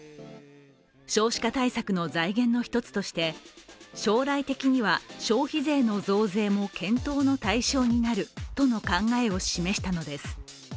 少子化対策の財源の１つとして将来的には消費税の増税も検討の対象になるとの考えを示したのです。